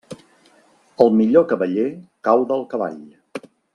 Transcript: El millor cavaller cau del cavall.